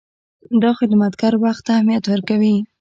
دا خدمتګر وخت ته اهمیت ورکوي.